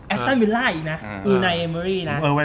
แอสตานวิลล่าอีกนะ